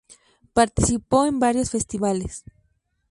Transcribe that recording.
Participó en varios festivales.